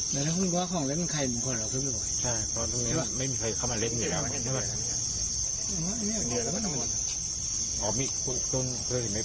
แต่ถ้าคุณว่าของเล่นใครมันควรเอาไปบรรยาทั้งหมดใช่เพราะตรงนี้ไม่มีใครเข้ามาเล่นอยู่แล้ว